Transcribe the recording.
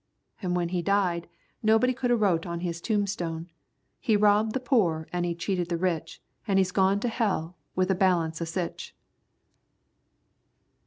An' when he died, nobody could a wrote on his tombstone, 'He robbed the poor an' he cheated the rich, an' he's gone to hell with the balance a' sich.'"